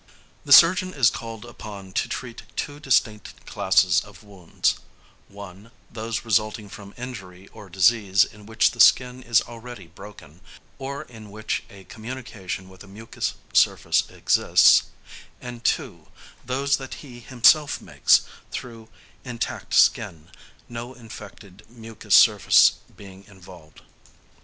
The surgeon is called upon to treat two distinct classes of wounds: (1) those resulting from injury or disease in which the skin is already broken, or in which a communication with a mucous surface exists; and (2) those that he himself makes through intact skin, no infected mucous surface being involved.